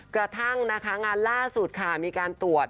กระทั่งงานล่าสุดมีการตรวจ